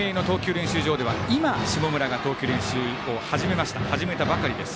練習場では今、下村が投球練習を始めたばかりです。